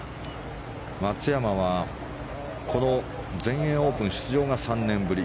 松山はこの全英オープン出場が３年ぶり。